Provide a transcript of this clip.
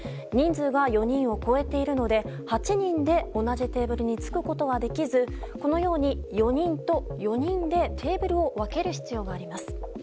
人数が４人を超えているので８人で同じテーブルにつくことはできずこのように４人と４人でテーブルを分ける必要があります。